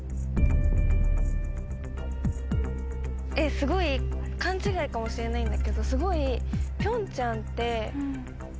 すごい勘違いかもしれないんだけど。